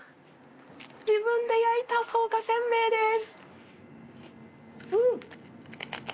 自分で焼いた草加せんべいです。